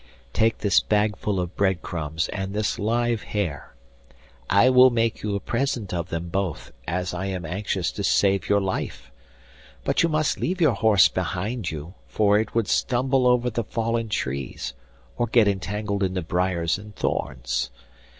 'Take this bagful of bread crumbs and this live hare. I will make you a present of them both, as I am anxious to save your life; but you must leave your horse behind you, for it would stumble over the fallen trees or get entangled in the briers and thorns.